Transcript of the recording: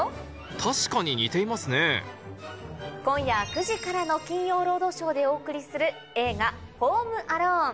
確かに似ていますね今夜９時からの『金曜ロードショー』でお送りする映画『ホーム・アローン』